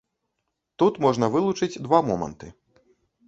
Тут можна вылучыць два моманты.